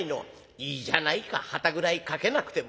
「いいじゃないか『はた』ぐらい書けなくても。